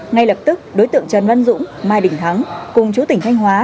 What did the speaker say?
ngay lập tức đối tượng trần văn dũng mai đình thắng cùng chú tỉnh thanh hóa